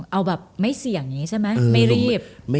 เอาแบบไม่เสี่ยงอย่างนี้ใช่ไหมไม่รีบ